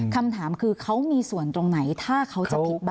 คำถามคือเขามีส่วนตรงไหนถ้าเขาจะผิดบ้าง